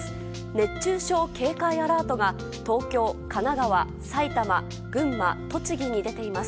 熱中症警戒アラートが東京、神奈川、埼玉群馬、栃木に出ています。